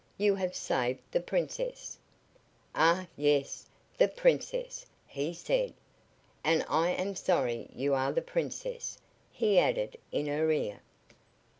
You have saved the Princess!" "Ah yes, the Princess!" he said. "And I am sorry you are the Princess," he added, in her ear.